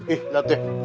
ih liat deh